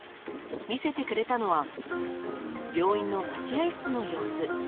見せてくれたのは病院の待合室の様子。